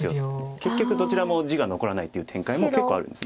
結局どちらも地が残らないという展開も結構あるんです。